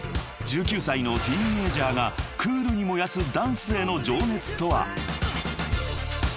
［１９歳のティーンエージャーがクールに燃やすダンスへの情熱とは］